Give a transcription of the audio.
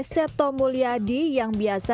seta mulyadi yang biasa